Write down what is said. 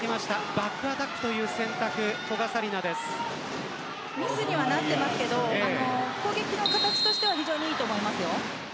バックアタックという選択ミスにはなっていますが攻撃の形としては非常にいいと思います。